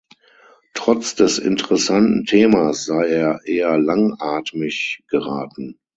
Trotz des interessanten Themas sei er eher langatmig geraten.